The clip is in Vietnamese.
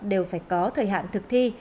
đều phải có thời hạn thực thi